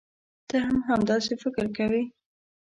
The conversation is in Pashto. ته هم همداسې فکر کوې.